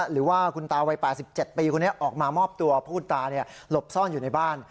หรือว่าคุณตาวัย๘๗ปีคนนี้ออกมามอบตัวผู้ตาหลบซ่อนอยู่ในบ้าน